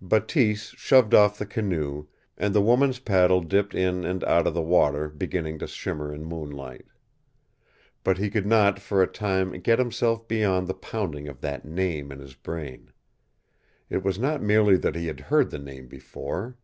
Bateese shoved off the canoe, and the woman's paddle dipped in and out of the water beginning to shimmer in moonlight. But he could not, for a time, get himself beyond the pounding of that name in his brain. It was not merely that he had heard the name before.